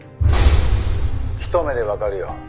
「ひと目でわかるよ。